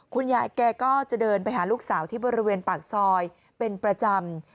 คุณยายแกก็จะเดินไปหาลูกสาวที่บริเวณปากซอยเป็นประจำ